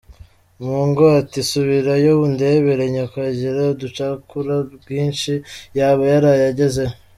Mpongo, ati “Subirayo undebere; nyoko agira ubucakura bwinshi yaba yaraye agezeyo”.